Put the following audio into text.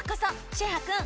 シェハくん！